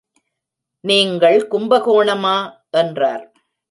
நீங்கள் கும்பகோணமா? என்றார்.